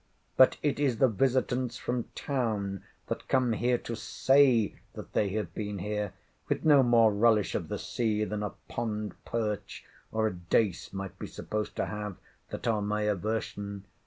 But it is the visitants from town, that come here to say that they have been here, with no more relish of the sea than a pond perch, or a dace might be supposed to have, that are my aversion.